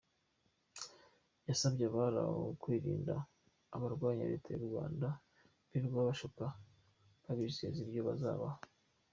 Yasabye abari aho kwirinda abarwanya Leta y’u Rwanda birirwa babashuka babizeza ibyo bazabaha.